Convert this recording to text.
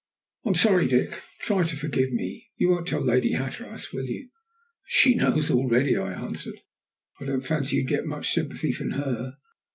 "I'm sorry, Dick. Try to forgive me. You won't tell Lady Hatteras, will you?" "She knows it already," I answered. "I don't fancy you would get much sympathy from her.